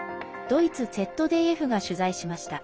ドイツＺＤＦが取材しました。